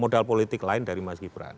modal politik lain dari mas gibran